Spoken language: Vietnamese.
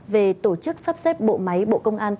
về tổ chức sắp xếp bộ máy bộ công an